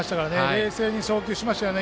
冷静に送球しましたよね。